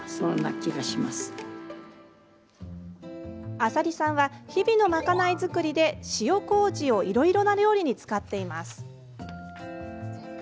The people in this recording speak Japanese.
浅利さんは日々の賄い作りで塩こうじをいろいろな料理に使っています。